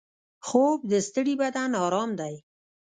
خوب د ستړي بدن ارام دی